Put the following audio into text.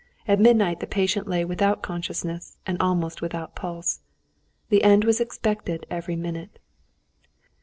At midnight the patient lay without consciousness, and almost without pulse. The end was expected every minute.